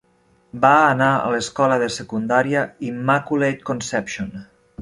Va anar a l'escola de secundària Immaculate Conception.